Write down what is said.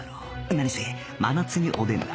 何せ真夏におでんだ。